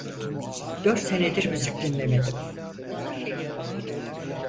Dört senedir müzik dinlemedim!